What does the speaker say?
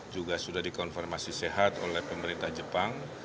juga sudah dikonfirmasi sehat oleh pemerintah jepang